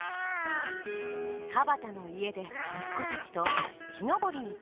田端の家で息子たちと木登りに興じる芥川。